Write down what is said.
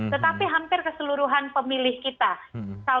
tetapi hampir keseluruhan pemilih kita